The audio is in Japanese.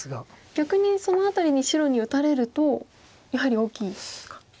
逆にその辺りに白に打たれるとやはり大きいですか。